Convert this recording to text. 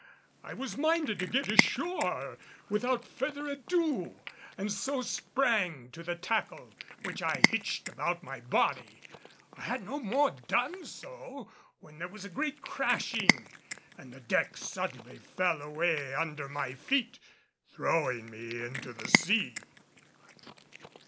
I was minded to get ashore without further ado, and so sprang to the tackle, which I hitched about my body. I had no more than done so when there was a great crashing and the deck suddenly fell away under my feet, throwing me into the sea.